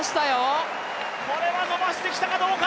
これは伸ばしてきたかどうか！